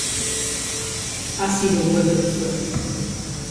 ha sido un golpe de suerte.